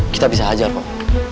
kita bisa hajar pak